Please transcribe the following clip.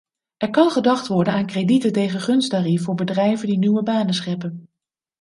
Er kan gedacht worden aan kredieten tegen gunsttarief voor bedrijven die nieuwe banen scheppen.